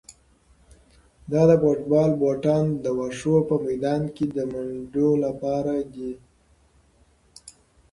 دا د فوټبال بوټان د واښو په میدان کې د منډو لپاره دي.